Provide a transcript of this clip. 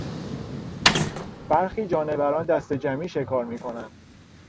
برخی جانوران دستهجمعی شکار میکنند.